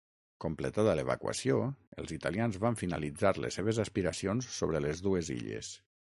Completada l'evacuació, els italians van finalitzar les seves aspiracions sobre les dues illes.